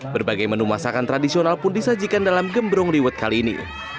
berbagai menu masakan tradisional pun disajikan dalam gembrung liwet kali ini